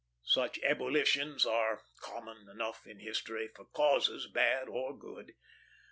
Such ebullitions are common enough in history, for causes bad or good.